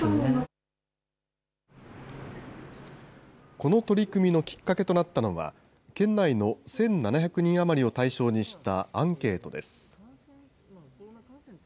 この取り組みのきっかけとなったのは、県内の１７００人余りを対象にしたアンケートです。